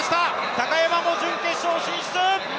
高山も準決勝進出！